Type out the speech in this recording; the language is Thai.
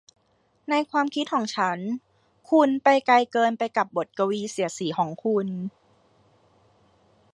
ในความคิดของฉันคุณไปไกลเกินไปกับบทกวีเสียดสีของคุณ